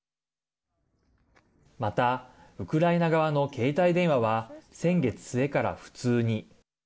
また、ウクライナ側の携帯電話は先月末から不通に。